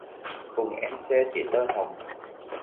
Cùng em xe chỉ tơ hồng.